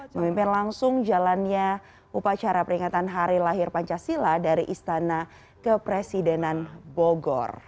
memimpin langsung jalannya upacara peringatan hari lahir pancasila dari istana kepresidenan bogor